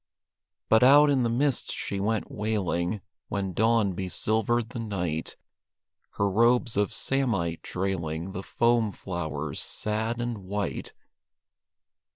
But out in the mist she went wailing When dawn besilvered the night, Her robes of samite trailing The foam flowers, sad and white.